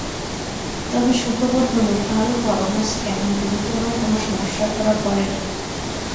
তবে সুখবর হলো, কাল করানো স্ক্যানে গুরুতর কোনো সমস্যা ধরা পড়েনি।